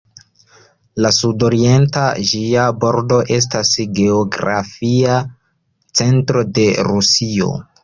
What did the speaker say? La sud-orienta ĝia bordo estas geografia centro de Rusio.